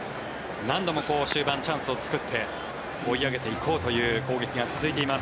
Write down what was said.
何度も終盤、チャンスを作って追い上げていこうという攻撃が続いています。